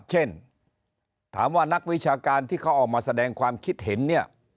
ถามว่านักวิชาการที่เขาออกมาแสดงความคิดเห็นเนี่ย